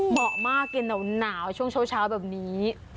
เหมาะมากกินหนาวช่วงเช้าแบบนี้